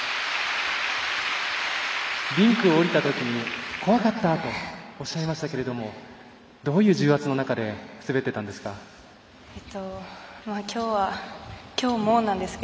リンクを降りたときに怖かったとおっしゃいましたけれどもどういう重圧の中で滑っていたんですか？